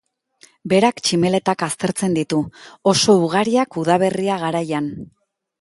Berak tximeletak aztertzen ditu, oso ugariak udaberria garaian.